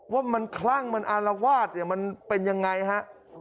ว่ามันคลั่งหรือมันอารวาศมันเป็นอย่างไรฮะ